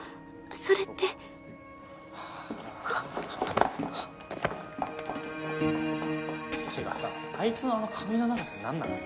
それってあっ・ってかさあいつのあの髪の長さ何なの？